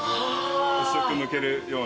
薄くむけるような。